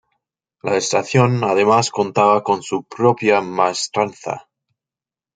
La estación además contaba con su propia maestranza.